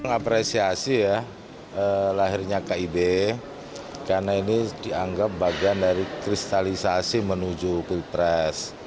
mengapresiasi ya lahirnya kib karena ini dianggap bagian dari kristalisasi menuju pilpres